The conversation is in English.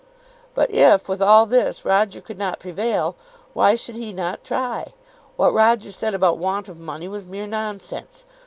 But if, with all this, Roger could not prevail, why should he not try? What Roger said about want of money was mere nonsense.